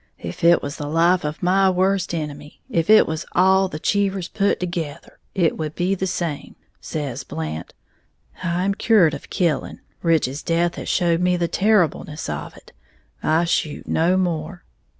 'If it was the life of my worst enemy, if it was all the Cheevers put together it would be the same,' says Blant; 'I am cured of killing; Rich's death has showed me the terribleness of it; I shoot no more!'